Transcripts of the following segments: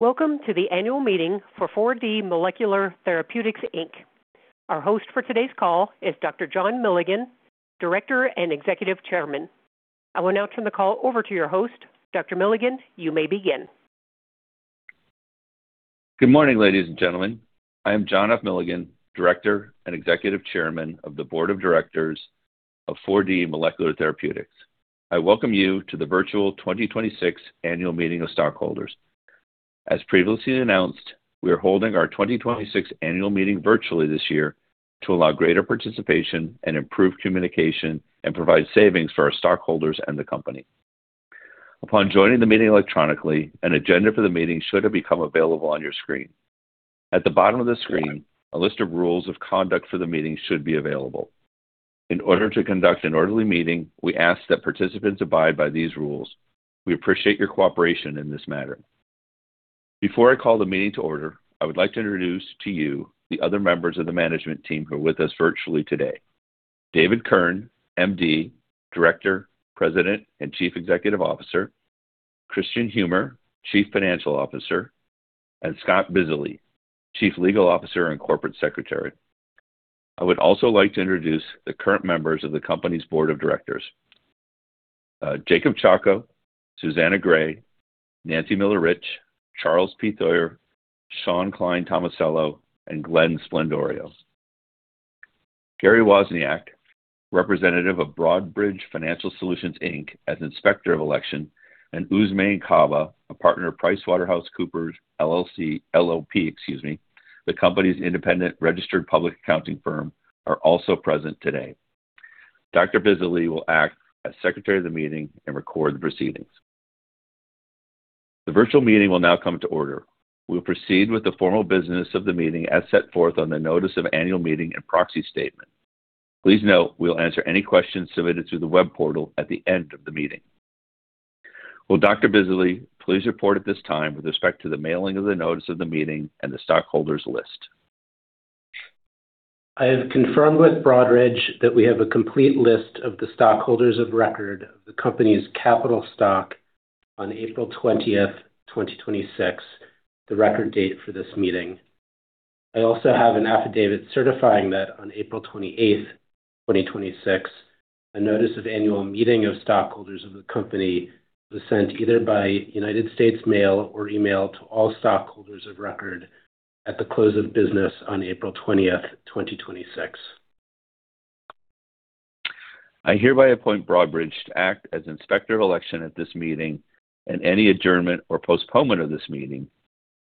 Welcome to the annual meeting for 4D Molecular Therapeutics, Inc. Our host for today's call is Dr. John Milligan, Director and Executive Chairman. I will now turn the call over to your host. Dr. Milligan, you may begin. Good morning, ladies and gentlemen. I am John Milligan, Director and Executive Chairman of the Board of Directors of 4D Molecular Therapeutics. I welcome you to the virtual 2026 annual meeting of stockholders. As previously announced, we are holding our 2026 annual meeting virtually this year to allow greater participation and improved communication, and provide savings for our stockholders and the company. Upon joining the meeting electronically, an agenda for the meeting should have become available on your screen. At the bottom of the screen, a list of rules of conduct for the meeting should be available. In order to conduct an orderly meeting, we ask that participants abide by these rules. We appreciate your cooperation in this matter. Before I call the meeting to order, I would like to introduce to you the other members of the management team who are with us virtually today. David Kirn, MD, Director, President, and Chief Executive Officer, Kristian Humer, Chief Financial Officer, and Scott Bizily, Chief Legal Officer and Corporate Secretary. I would also like to introduce the current members of the company's Board of Directors, Jacob Chacko, Susannah Gray, Nancy Miller-Rich, Charles P. Theuer, Shawn Tomasello, and Glenn Sblendorio. Gary Wozniak, Representative of Broadridge Financial Solutions Inc., as Inspector of Election, and Ousmane Caba, a Partner at PricewaterhouseCoopers LLP, the company's independent registered public accounting firm, are also present today. Dr. Bizily will act as secretary of the meeting and record the proceedings. The virtual meeting will now come to order. We will proceed with the formal business of the meeting as set forth on the notice of annual meeting and proxy statement. Please note we will answer any questions submitted through the web portal at the end of the meeting. Will Dr. Bizily please report at this time with respect to the mailing of the notice of the meeting and the stockholders' list? I have confirmed with Broadridge that we have a complete list of the stockholders of record of the company's capital stock on April 20th, 2026, the record date for this meeting. I also have an affidavit certifying that on April 28th, 2026, a notice of annual meeting of stockholders of the company was sent either by United States mail or email to all stockholders of record at the close of business on April 20th, 2026. I hereby appoint Broadridge to act as Inspector of Election at this meeting and any adjournment or postponement of this meeting.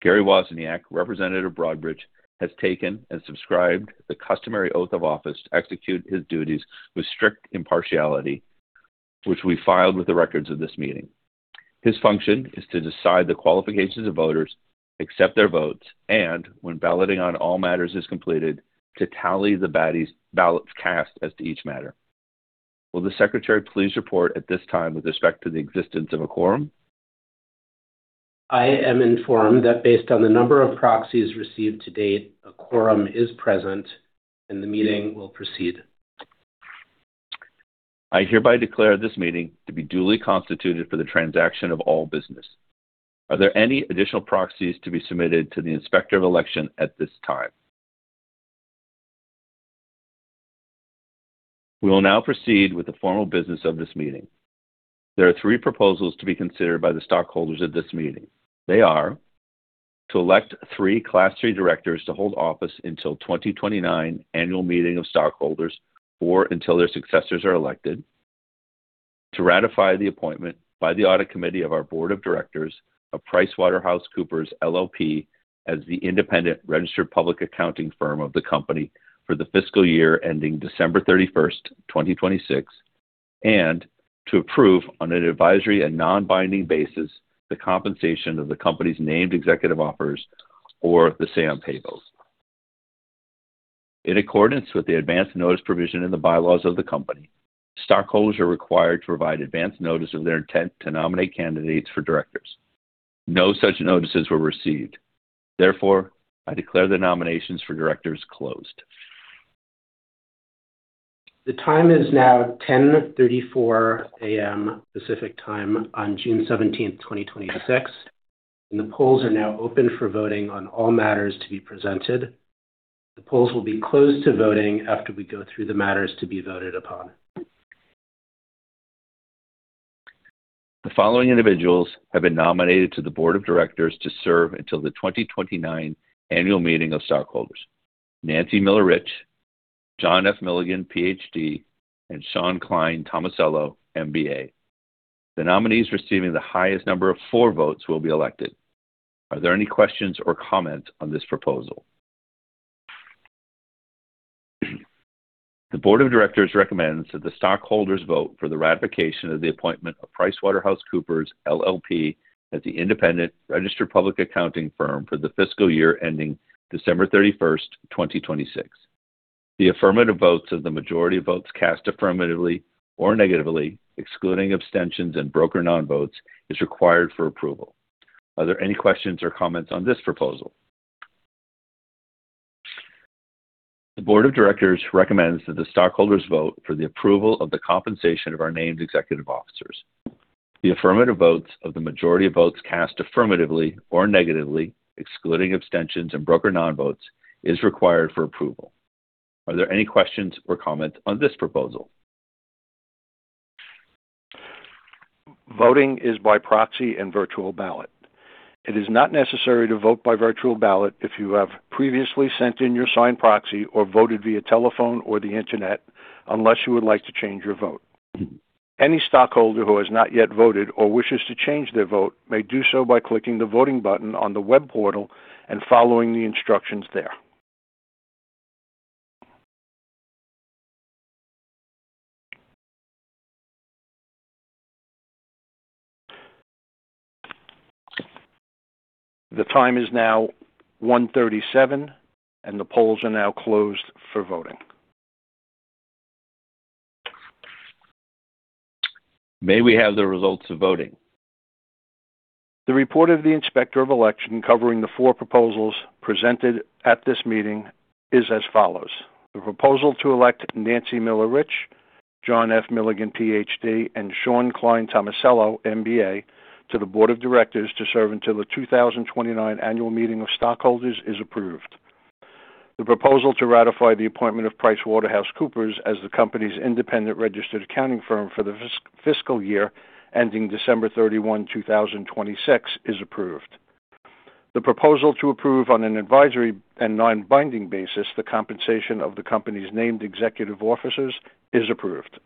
Gary Wozniak, Representative of Broadridge, has taken and subscribed the customary oath of office to execute his duties with strict impartiality, which we filed with the records of this meeting. His function is to decide the qualifications of voters, accept their votes, and when balloting on all matters is completed, to tally the ballots cast as to each matter. Will the secretary please report at this time with respect to the existence of a quorum? I am informed that based on the number of proxies received to date, a quorum is present, and the meeting will proceed. I hereby declare this meeting to be duly constituted for the transaction of all business. Are there any additional proxies to be submitted to the Inspector of Election at this time? We will now proceed with the formal business of this meeting. There are three proposals to be considered by the stockholders at this meeting. They are to elect three Class III directors to hold office until 2029 annual meeting of stockholders, or until their successors are elected, to ratify the appointment by the audit committee of our Board of Directors of PricewaterhouseCoopers LLP as the independent registered public accounting firm of the company for the fiscal year ending December 31st, 2026, and to approve, on an advisory and non-binding basis, the compensation of the company's named executive officers for the same pay period. In accordance with the advance notice provision in the bylaws of the company, stockholders are required to provide advance notice of their intent to nominate candidates for directors. No such notices were received. Therefore, I declare the nominations for directors closed. The time is now 10:34 A.M. Pacific Time on June 17th, 2026. The polls are now open for voting on all matters to be presented. The polls will be closed to voting after we go through the matters to be voted upon. The following individuals have been nominated to the board of directors to serve until the 2029 annual meeting of stockholders. Nancy Miller-Rich, John F. Milligan, PhD, and Shawn Tomasello, MBA. The nominees receiving the highest number of four votes will be elected. Are there any questions or comments on this proposal? The Board of Directors recommends that the stockholders vote for the ratification of the appointment of PricewaterhouseCoopers LLP as the independent registered public accounting firm for the fiscal year ending December 31st, 2026. The affirmative votes of the majority of votes cast affirmatively or negatively, excluding abstentions and broker non-votes, is required for approval. Are there any questions or comments on this proposal? The board of directors recommends that the stockholders vote for the approval of the compensation of our named executive officers. The affirmative votes of the majority of votes cast affirmatively or negatively, excluding abstentions and broker non-votes, is required for approval. Are there any questions or comments on this proposal? Voting is by proxy and virtual ballot. It is not necessary to vote by virtual ballot if you have previously sent in your signed proxy or voted via telephone or the Internet, unless you would like to change your vote. Any stockholder who has not yet voted or wishes to change their vote may do so by clicking the voting button on the web portal and following the instructions there. The time is now 1:37 P.M., and the polls are now closed for voting. May we have the results of voting? The report of the Inspector of Election covering the four proposals presented at this meeting is as follows: The proposal to elect Nancy Miller-Rich, John F. Milligan, PhD, and Shawn Tomasello, MBA, to the Board of Directors to serve until the 2029 annual meeting of stockholders is approved. The proposal to ratify the appointment of PricewaterhouseCoopers as the company's independent registered accounting firm for the fiscal year ending December 31, 2026, is approved. The proposal to approve on an advisory and non-binding basis the compensation of the company's named executive officers is approved.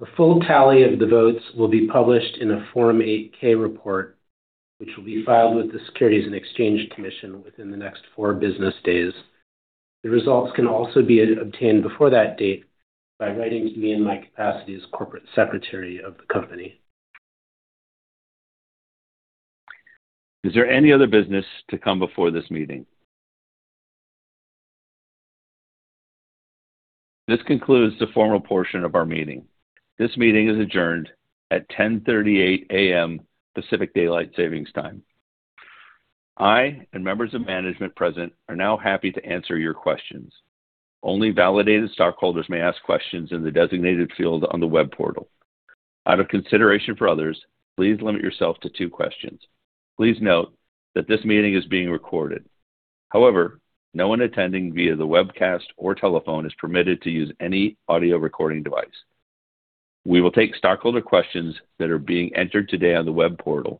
The full tally of the votes will be published in a Form 8-K report, which will be filed with the Securities and Exchange Commission within the next four business days. The results can also be obtained before that date by writing to me in my capacity as Corporate Secretary of the company. Is there any other business to come before this meeting? This concludes the formal portion of our meeting. This meeting is adjourned at 10:38 A.M. Pacific Daylight Savings Time. I and members of management present are now happy to answer your questions. Only validated stockholders may ask questions in the designated field on the web portal. Out of consideration for others, please limit yourself to two questions. Please note that this meeting is being recorded. However, no one attending via the webcast or telephone is permitted to use any audio recording device. We will take stockholder questions that are being entered today on the web portal.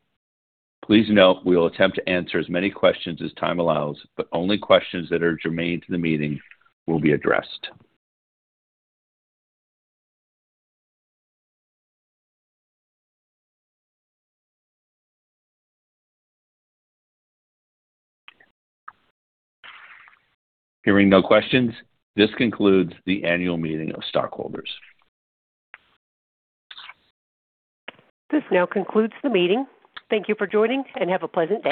Please note we will attempt to answer as many questions as time allows, but only questions that are germane to the meeting will be addressed. Hearing no questions, this concludes the annual meeting of stockholders. This now concludes the meeting. Thank you for joining, and have a pleasant day.